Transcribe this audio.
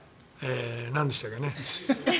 なんでしたっけね。